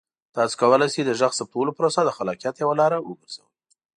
تاسو کولی شئ د غږ ثبتولو پروسه د خلاقیت یوه لاره وګرځوئ.